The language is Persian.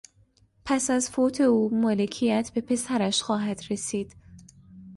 پس از فوت او مالکیت به پسرش خواهد رسید.